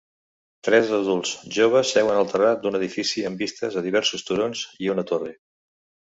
Tres adults joves seuen al terrat d'un edifici amb vistes a diversos turons i una torre